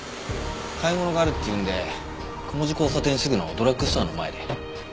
買い物があるって言うんで雲路交差点すぐのドラッグストアの前で。